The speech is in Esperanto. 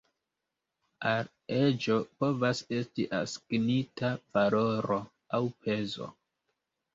Al eĝo povas esti asignita valoro aŭ pezo.